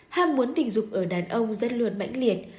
ham muốn tình dục ở đàn ông rất luôn mãnh liệt